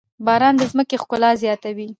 باران د ځمکې ښکلا زياتوي.